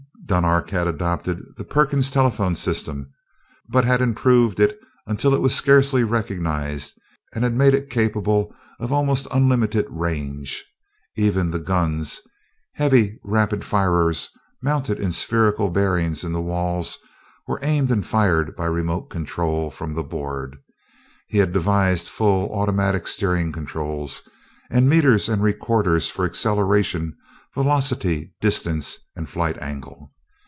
Dunark had adopted the Perkins telephone system, but had improved it until it was scarcely recognized and had made it capable of almost unlimited range. Even the guns heavy rapid firers, mounted in spherical bearings in the walls were aimed and fired by remote control, from the board. He had devised full automatic steering controls; and meters and recorders for acceleration, velocity, distance, and flight angle.